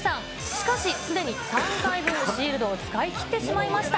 しかしすでに３回分のシールドを使いきってしまいました。